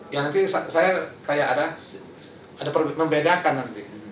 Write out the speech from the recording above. ya nanti saya seperti ada perbedaan nanti